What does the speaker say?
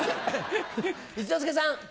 一之輔さん。